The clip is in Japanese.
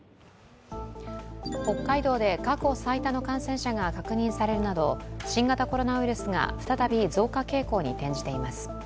北海道で過去最多の感染者が確認されるなど新型コロナウイルスが再び増加傾向に転じています。